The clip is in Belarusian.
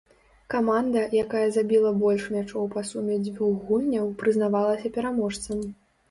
Каманда, якая забіла больш мячоў па суме дзвюх гульняў, прызнавалася пераможцам.